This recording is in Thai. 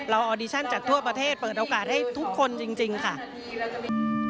ออดิชั่นจากทั่วประเทศเปิดโอกาสให้ทุกคนจริงค่ะ